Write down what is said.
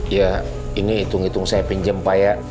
ya ini hitung hitung saya pinjem pak ya